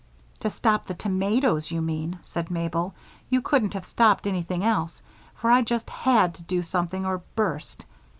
"To stop the tomatoes, you mean," said Mabel. "You couldn't have stopped anything else, for I just had to do something or burst.